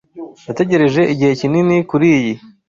Nategereje igihe kinini kuriyi.